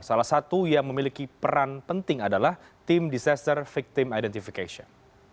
salah satu yang memiliki peran penting adalah tim disaster victim identification